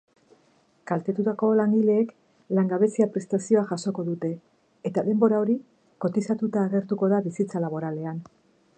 Kaltetutako langileek langabezia-prestazioa jasoko dute eta denbora hori kotizatuta agertuko da bizitza laboralean.